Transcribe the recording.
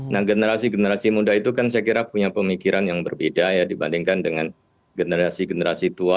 nah generasi generasi muda itu kan saya kira punya pemikiran yang berbeda ya dibandingkan dengan generasi generasi tua